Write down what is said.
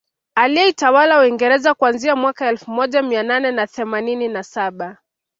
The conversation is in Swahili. Aliyeitawala Uingereza kuanzia mwaka elfu moja Mia nane na themanini na saba